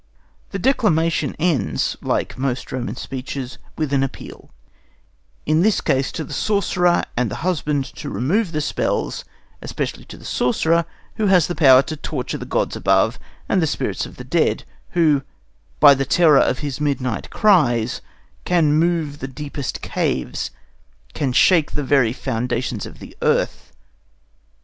The Declamation ends, like most Roman speeches, with an appeal: in this case to the sorcerer and the husband to remove the spells; especially to the sorcerer, who has power to torture the gods above and the spirits of the dead; who, by the terror of his midnight cries, can move the deepest caves, can shake the very foundations of the earth.